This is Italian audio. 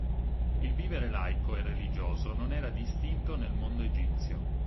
Il vivere laico e religioso non era distinto nel mondo egizio.